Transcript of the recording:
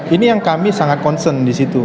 ini yang kami sangat concern disitu